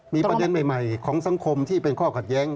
มีประเด็นใหม่ของสังคมที่เป็นข้อขัดแย้ง